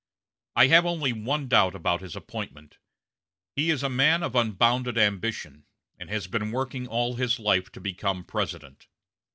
I have only one doubt about his appointment. He is a man of unbounded ambition, and has been working all his life to become President.